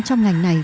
trong ngành này